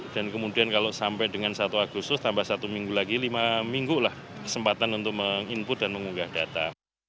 kemudian kalau sampai dengan satu agustus tambah satu minggu lagi lima minggu lah kesempatan untuk meng input dan mengunggah data